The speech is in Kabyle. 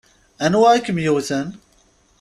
Anwa i kem-yewwten?